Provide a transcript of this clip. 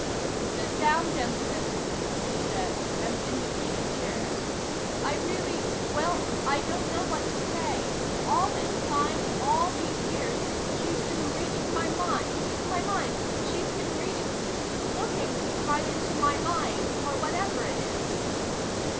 "Sit down, gentlemen," he said, and indicated chairs. "I really well, I don't know what to say. All this time, all these years, she's been reading my mind! My mind. She's been reading ... looking right into my mind, or whatever it is."